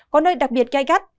có nơi đặc biệt gai gắt